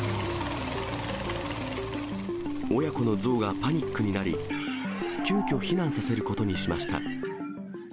親子の象がパニックになり、急きょ、避難させることにしました。